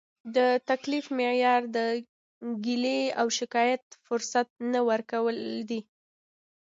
د تکلیف معیار د ګیلې او شکایت فرصت نه ورکول دي.